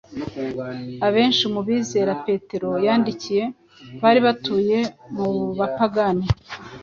Abenhi mu bizera petero yandikiye bari batuye mu bapagani,